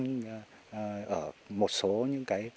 ở một số những cái